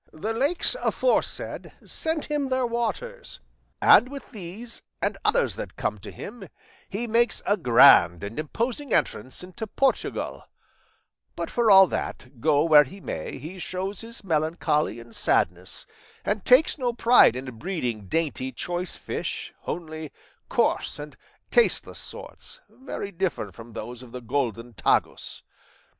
The lakes aforesaid send him their waters, and with these, and others that come to him, he makes a grand and imposing entrance into Portugal; but for all that, go where he may, he shows his melancholy and sadness, and takes no pride in breeding dainty choice fish, only coarse and tasteless sorts, very different from those of the golden Tagus.